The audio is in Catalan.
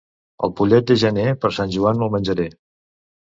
El pollet de gener per Sant Joan me'l menjaré.